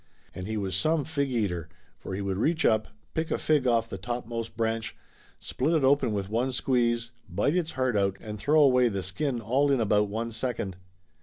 And he was some fig eater, for he would reach up, pick a fig off the topmost branch, split it open with one squeeze, bite its heart out and throw away the skin all in about one second.